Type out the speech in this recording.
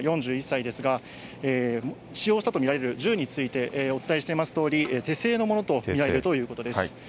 ４１歳ですが、使用したと見られる銃について、お伝えしていますとおり、手製のものと見られるということです。